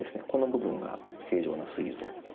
この部分が正常なすい臓